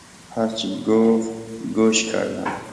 هر چه گفت گوش کردم.